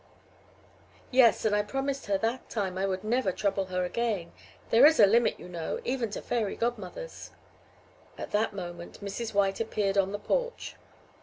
"Yes, and I promised her that time I would never trouble her again. There is a limit, you know, even to fairy godmothers." At that moment Mrs. White appeared on the porch.